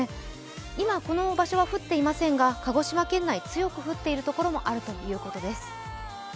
今、この場所は降っていませんが鹿児島県内、強く降っているところもあるということです。